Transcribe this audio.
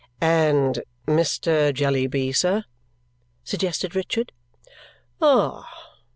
"And Mr. Jellyby, sir?" suggested Richard. "Ah!